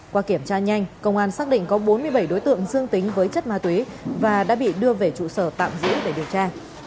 qua kiểm tra nhanh công an xác định có bốn mươi bảy đối tượng dương tính với chất ma túy và đã bị đưa về trụ sở tạm diễn để điều tra